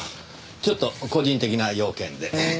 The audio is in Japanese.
ちょっと個人的な用件で。